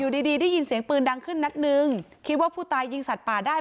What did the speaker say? ดีดีได้ยินเสียงปืนดังขึ้นนัดนึงคิดว่าผู้ตายยิงสัตว์ป่าได้